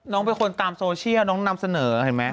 น้องเป็นคนตามโซเชียลน้องนำเสนอเห็นไหม